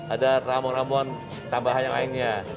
ada ramuan ramuan tambahan yang lainnya